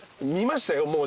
見ましたよ